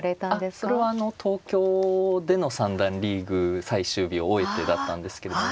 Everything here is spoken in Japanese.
あっそれはあの東京での三段リーグ最終日を終えてだったんですけれどもね。